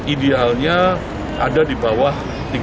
idealnya ada di bawah tiga puluh